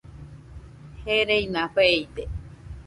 Gereina feide